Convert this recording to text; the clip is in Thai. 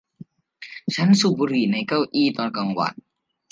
ฉันสูบบุหรี่ในเก้าอี้ตอนกลางวัน